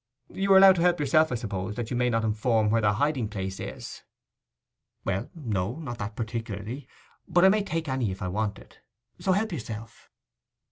'You are allowed to help yourself, I suppose, that you may not inform where their hiding place is?' 'Well, no; not that particularly; but I may take any if I want it. So help yourself.